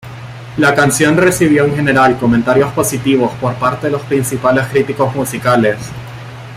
La canción recibió en general comentarios positivos por parte de los principales críticos musicales.